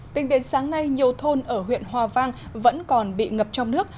tính đến sáng nay nhiều thôn ở huyện hòa vang vẫn còn bị ngập trong nước